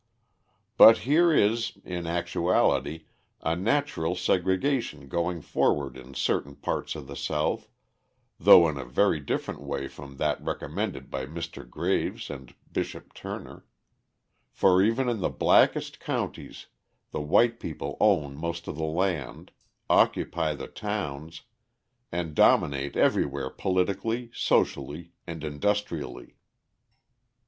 But here is, in actuality, a natural segregation going forward in certain parts of the South, though in a very different way from that recommended by Mr. Graves and Bishop Turner; for even in the blackest counties the white people own most of the land, occupy the towns, and dominate everywhere politically, socially, and industrially.